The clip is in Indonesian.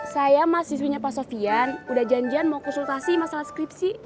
saya mahasiswinya pak sofian udah janjian mau konsultasi masalah skripsi